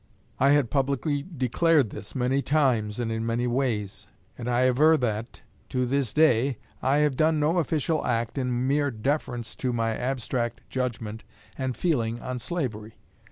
I had publicly declared this many times and in many ways. And I aver that, to this day, I have done no official act in mere deference to my abstract judgment and feeling on slavery.